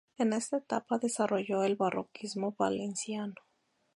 En esta etapa desarrolló el barroquismo valenciano.